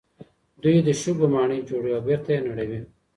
دوی د شګو ماڼۍ جوړوي او بېرته یې نړوي.